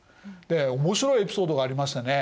で面白いエピソードがありましてね